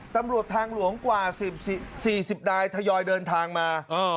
ตำรวจทางหลวงกว่า๔๐นายทยอยเดินทางมา